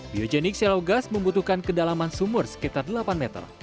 biogenik selow gas membutuhkan kedalaman sumur sekitar delapan meter